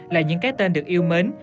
là những cái tên được yêu mến